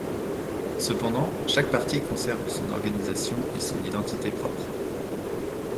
Cependant, chaque parti conserve son organisation et son identité propre.